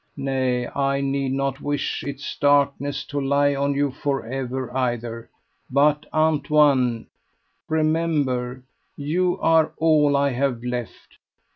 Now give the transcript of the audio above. Nay, I need not wish its darkness to lie on you for ever either; but, Antoine, remember you are all I have left.